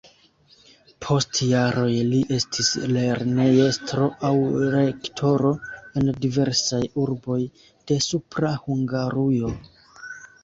Post jaroj li estis lernejestro aŭ rektoro en diversaj urboj de Supra Hungarujo.